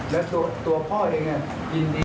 และตัวพ่อเองอย่างไร